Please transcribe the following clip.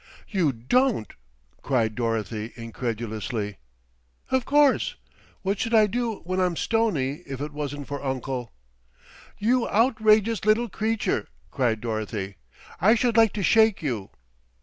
"You don't!" cried Dorothy incredulously. "Of course. What should I do when I'm stoney if it wasn't for uncle." "You outrageous little creature!" cried Dorothy. "I should like to shake you."